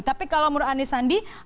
tapi kalau menurut anisandi